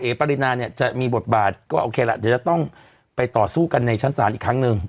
ปรินาเนี่ยจะมีบทบาทก็โอเคละเดี๋ยวจะต้องไปต่อสู้กันในชั้นศาลอีกครั้งหนึ่ง